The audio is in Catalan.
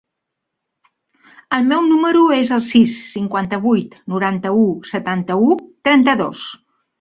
El meu número es el sis, cinquanta-vuit, noranta-u, setanta-u, trenta-dos.